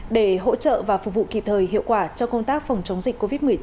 để hỗ trợ và phục vụ kịp thời hiệu quả cho công tác phòng chống dịch covid một mươi chín